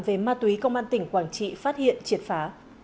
về ma túy công an tỉnh quảng trị phát hiện triệt phá